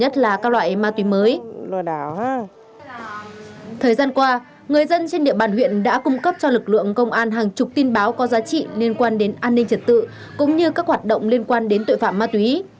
thời gian qua người dân trên địa bàn huyện đã cung cấp cho lực lượng công an hàng chục tin báo có giá trị liên quan đến an ninh trật tự cũng như các hoạt động liên quan đến tội phạm ma túy